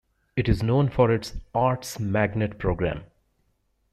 It is known for its arts magnet program.